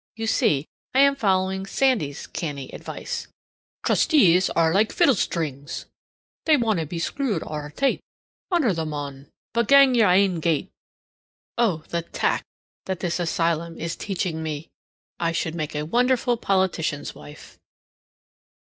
You see, I am following Sandy's canny advice: "Trustees are like fiddle strings; they maunna be screwed ower tight. Humor the mon, but gang your ain gait." Oh, the tact that this asylum is teaching me! I should make a wonderful politician's wife.